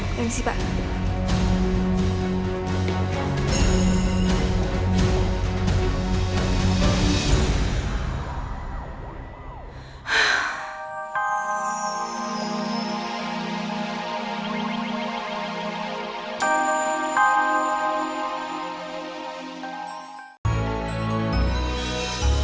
terima kasih pak